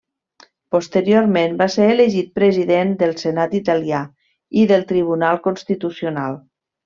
Posteriorment va ser elegit president del Senat italià i del Tribunal Constitucional.